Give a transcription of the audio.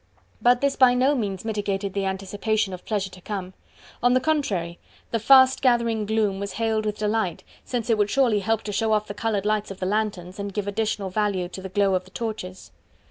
But this by no means mitigated the anticipation of pleasure to come. On the contrary, the fast gathering gloom was hailed with delight, since it would surely help to show off the coloured lights of the lanthorns, and give additional value to the glow of the torches.